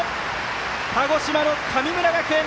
鹿児島の神村学園